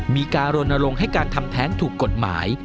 มีการรณรงค์ให้การทำแท้งถูกกฎหมาย